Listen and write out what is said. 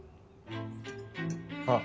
あっ。